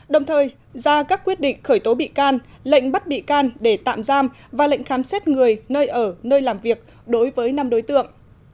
đồng thời ra các quyết định khởi tố bị can lệnh bắt bị can để tạm giam và lệnh khám xét người nơi ở nơi làm việc đối với năm đối tượng